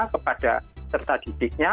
kepada serta didiknya